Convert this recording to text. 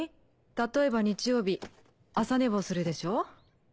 例えば日曜日朝寝坊するでしょ？